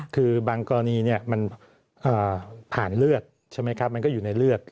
คือบางกรณีมันผ่านเลือดใช่ไหมครับมันก็อยู่ในเลือด